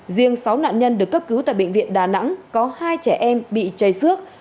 riêng sáu nạn nhân được cấp cứu tại bệnh viện đà nẵng có hai trẻ em bị chảy xước